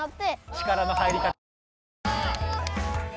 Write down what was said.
力の入り方がね。